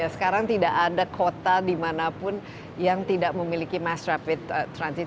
sekarang tidak ada kota dimanapun yang tidak memiliki mass rapid transit